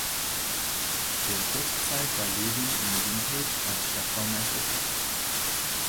Für kurze Zeit war Lewin in Windhoek als Stadtbaumeister tätig.